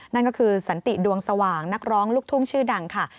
นั่นก็คือสันติดวงสว่างนักร้องลูกทุ่งชื่อดังค่ะ